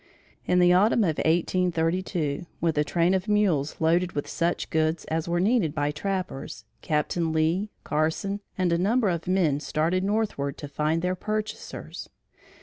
In the Autumn of 1832, with a train of mules loaded with such goods as were needed by trappers, Captain Lee, Carson and a number of men started northward to find their purchasers.